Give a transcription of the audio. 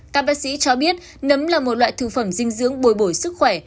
các bác sĩ cho biết nấm là một loại thực phẩm dinh dưỡng bồi bổi sức khỏe